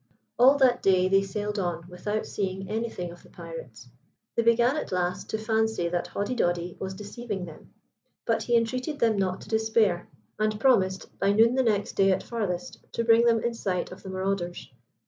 All that day they sailed on without seeing anything of the pirates. They began to last to fancy that Hoddidoddi was deceiving them; but he entreated them not to despair, and promised, by noon the next day at farthest, to bring them in sight of the marauders.